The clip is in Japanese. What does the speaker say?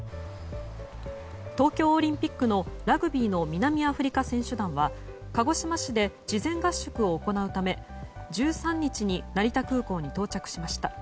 東京オリンピックのラグビーの南アフリカ選手団は鹿児島市で事前合宿を行うため１３日に成田空港に到着しました。